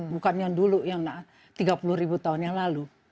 bukan yang dulu yang tiga puluh ribu tahun yang lalu